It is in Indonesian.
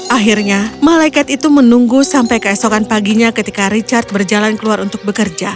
akhirnya malaikat itu menunggu sampai keesokan paginya ketika richard berjalan keluar untuk bekerja